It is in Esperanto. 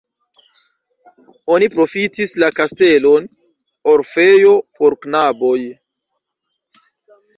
Oni profitis la kastelon orfejo por knaboj.